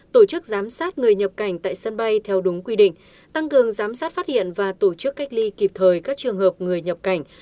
tổ chức giám sát người nhập cảnh tại sân bay theo đúng quy định tăng cường giám sát phát hiện và tổ chức cách ly kịp thời các trường hợp người nhập cảnh